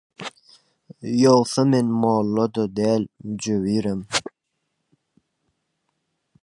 Ýogsa men mollada däl, müjewirem.